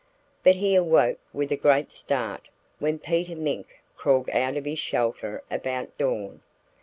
But he awoke with a great start when Peter Mink crawled out of his shelter about dawn.